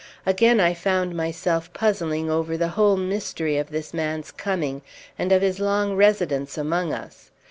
Again I found myself puzzling over the whole mystery of this man's coming, and of his long residence among us.